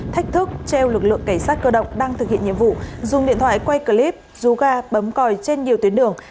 thách thức treo lực lượng cảnh sát cơ động đang thực hiện nhiệm vụ dùng điện thoại quay clip rù ga bấm còi trên nhiều tuyến đường